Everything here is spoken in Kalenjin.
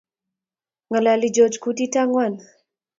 Ngalali George kutit angwan